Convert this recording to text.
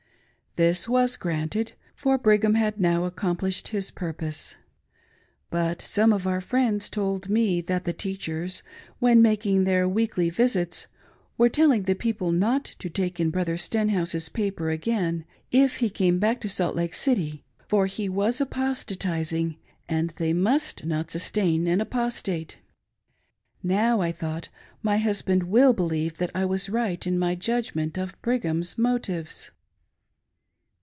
This was granted, for Brigham had now accomplished his purpose. But some of our friends told me that the teachers, when making their weekly visits, were telling the people not to take in Brother Stenhouse's paper again, if he came back to Salt Lake City, for he was apostatising, and they must not sustain an Apostate. Now, I thought, my husband will believe that I was right in my judgment of Brigham's motives.